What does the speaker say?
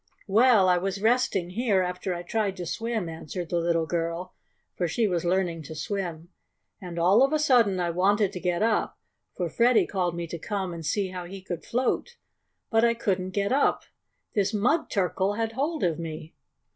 "Well, I was resting here, after I tried to swim," answered the little girl, for she was learning to swim; "and, all of a sudden, I wanted to get up, for Freddie called me to come and see how he could float. But I couldn't get up. This mud turkle had hold of me."